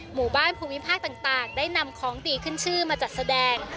หมู่บ้านภูมิภาคต่างได้นำของดีขึ้นชื่อมาจัดแสดง